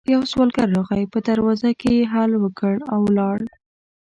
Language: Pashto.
يو سوالګر راغی، په دروازه کې يې هل وکړ او ولاړ.